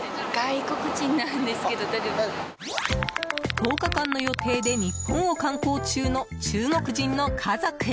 １０日間の予定で日本を観光中の中国人の家族。